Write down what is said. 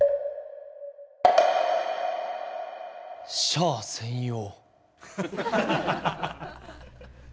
「シャア専用」。